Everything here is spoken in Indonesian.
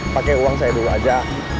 pakai uang saya dulu aja